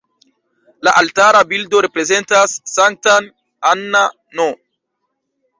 La altara bildo prezentas Sanktan Anna-n.